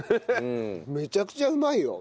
めちゃくちゃうまいよ。